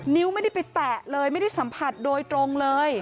นิ้วไม่ได้ไปแตะเลยไม่ได้สัมผัสโดยตรงเลย